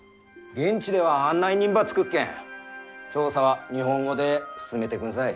現地では案内人ば付くっけん調査は日本語で進めてくんさい。